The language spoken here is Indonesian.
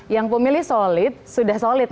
yang pemilih solid sudah solid